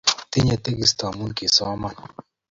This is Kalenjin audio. tinye tegisto amu kisoman